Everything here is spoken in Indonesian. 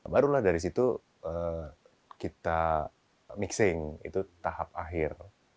barulah dari situ kita mixing itu tahap akhir